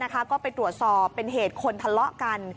ก็ไปตรวจสอบเป็นเหตุคนทะเลาะกัน